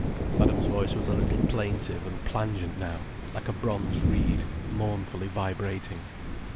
Madame's voice was a little plaintive and plangent now, like a bronze reed mournfully vibrating.